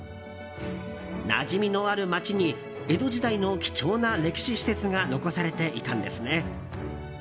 なじみのある街に江戸時代の貴重な歴史施設が残されていたんですね。